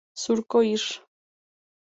Surco, ir.